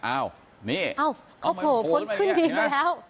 อ้าวนี่อ๋อเข้าผลผลขึ้นทีเลยแล้ว